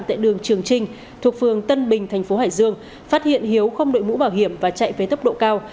tại đường trường trinh thuộc phường tân bình thành phố hải dương phát hiện hiếu không đội mũ bảo hiểm và chạy với tốc độ cao